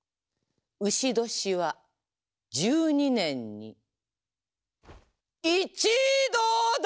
丑年は１２年に一度だけ！